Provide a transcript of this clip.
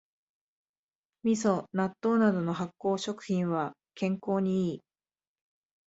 みそ、納豆などの発酵食品は健康にいい